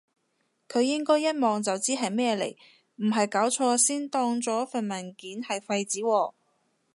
佢應該一望就知係咩嚟，唔係搞錯先當咗份文件係廢紙喎？